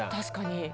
確かに。